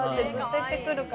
って。